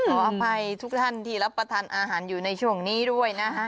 ขออภัยทุกท่านที่รับประทานอาหารอยู่ในช่วงนี้ด้วยนะฮะ